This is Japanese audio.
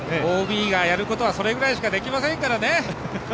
ＯＢがやることは、それぐらいしかできませんからね。